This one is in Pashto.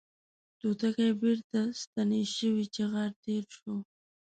توتکۍ بیرته ستنې شوې چغار تیر شو